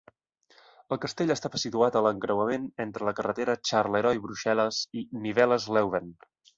El castell estava situat a l"encreuament entre la carretera Charleroi-Bruxelles i Nivelles-Leuven.